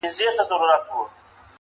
د هغه د اشعارو په شرحه کې